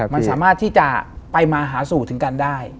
มันสามารถที่จะไปมาหาสู่ถึงกันได้